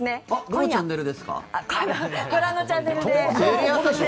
ご覧のチャンネルです。